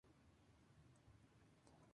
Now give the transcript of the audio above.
Con el tema del Carnaval.